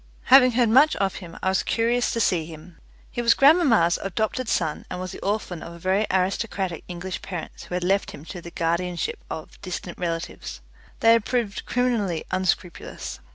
Having heard much of him, I was curious to see him. He was grandmamma's adopted son, and was the orphan of very aristocratic English parents who had left him to the guardianship of distant relatives. They had proved criminally unscrupulous.